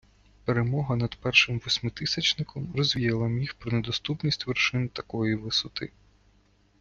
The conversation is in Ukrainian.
Перемога над першим восьмитисячником розвіяла міф про недоступність вершин такої висоти.